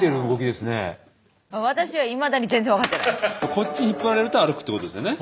こっち引っ張られると歩くってことですよね？